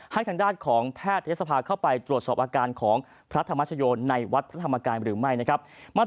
ทางด้านของแพทยศภาเข้าไปตรวจสอบอาการของพระธรรมชโยในวัดพระธรรมกายหรือไม่นะครับ